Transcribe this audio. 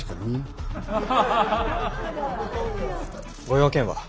ご用件は。